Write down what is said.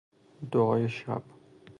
دعای شب